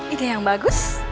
itu yang bagus